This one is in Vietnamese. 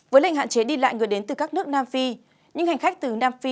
với lệnh hạn chế đi lại người đến từ các nước nam phi những hành khách từ nam phi